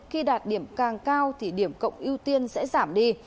khi đạt điểm càng cao thì điểm cộng ưu tiên sẽ giảm đi